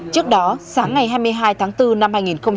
trước đó sáng ngày hai mươi hai tháng bốn năm hai nghìn một mươi bảy